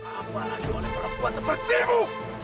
apalagi oleh perempuan sepertimu